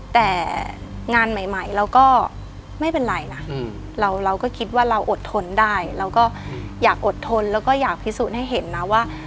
แต่งานใหม่เราก็ไม่เป็นไรนะเราก็คิดว่าเราอดทนได้เราก็อยากอดทนแล้วก็อยากพิสูจน์ให้เห็นนะว่า